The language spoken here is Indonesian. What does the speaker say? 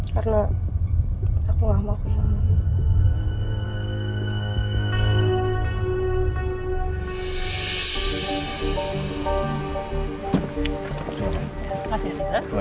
karena aku gak mau aku hilang